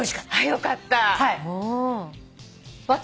よかった。